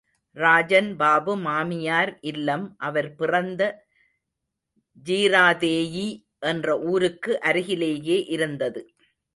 ராஜன் பாபு மாமியார் இல்லம் அவர் பிறந்த ஜீராதேயீ என்ற ஊருக்கு அருகிலேயே இருந்தது.